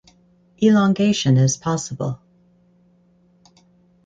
Elongation is possible.